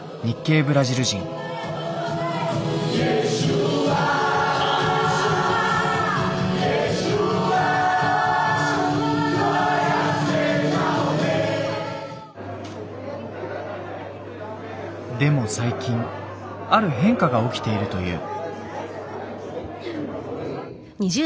「イエスはイエスは」でも最近ある変化が起きているという。